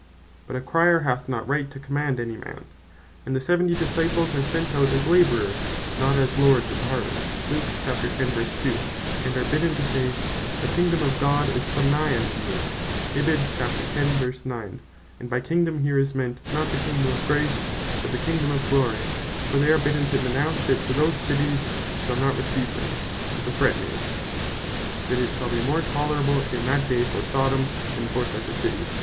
But a Crier hath not right to Command any man. And (Luke 10.2.) the seventy Disciples are sent out, "as Labourers, not as Lords of the Harvest;" and are bidden (verse 9.) to say, "The Kingdome of God is come nigh unto you;" and by Kingdome here is meant, not the Kingdome of Grace, but the Kingdome of Glory; for they are bidden to denounce it (ver. 11.) to those Cities which shall not receive them, as a threatning, that it shall be more tolerable in that day for Sodome, than for such a City.